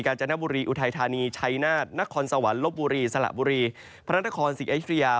จนบุรีอุทัยธานีชัยนาฏนครสวรรค์ลบบุรีสละบุรีพระนครศรีอยุธยา